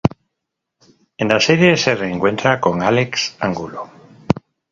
En la serie se reencuentra con Álex Angulo.